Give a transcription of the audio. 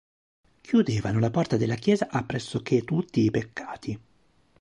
Chiudevano la porta della Chiesa a pressoché tutti i peccati.